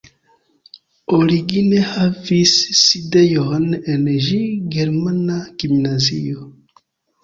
Origine havis sidejon en ĝi germana gimnazio.